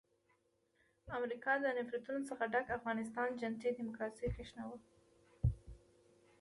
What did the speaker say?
امریکا د نفرتونو څخه ډک افغانستان جنتي ډیموکراسي کښېناوه.